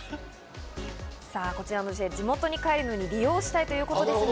地元に帰るのに利用したいということですが。